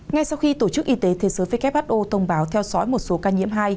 ngay sau khi tổ chức y tế thế giới who thông báo theo dõi một số ca nhiễm hai